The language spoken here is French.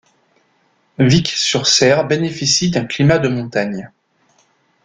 Vic-sur-Cère bénéficie d'un climat de montagne.